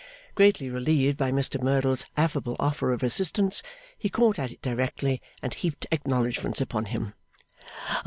Greatly relieved by Mr Merdle's affable offer of assistance, he caught at it directly, and heaped acknowledgments upon him.